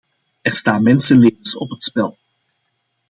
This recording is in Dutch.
Er staan mensenlevens op het spel.